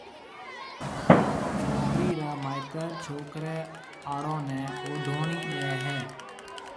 ڇوڪرِي را مائيتر ڇوڪرَي آݪو نيَ اوڊوڻِي ڏَي ھيََََ